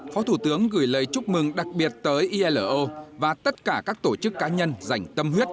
phó thủ tướng gửi lời chúc mừng đặc biệt tới ilo và tất cả các tổ chức cá nhân dành tâm huyết